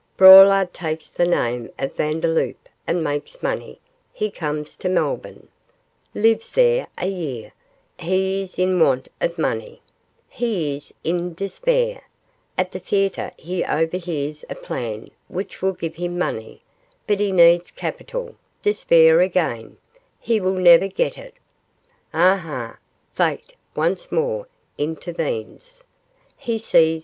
Braulard takes the name of Vandeloup and makes money; he comes to Melbourne, lives there a year, he is in want of money, he is in despair; at the theatre he overhears a plan which will give him money, but he needs capital despair again, he will never get it. Aha! Fate once more intervenes he sees M.